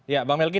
ya bang melki